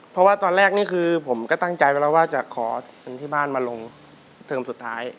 เพราะว่าตอนแรกนี่คือผมก็ตั้งใจไว้แล้วว่าจะขอเป็นที่บ้านมาลงเทอมสุดท้าย